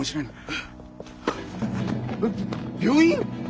病院？